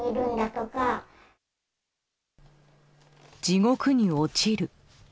地獄に落ちる。